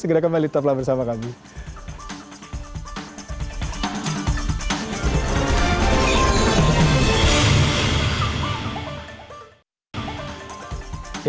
segera kembali tetaplah bersama kami